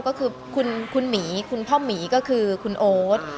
ก็คือคุณหมีคุณพ่อหมีก็คือคุณโอ๊ต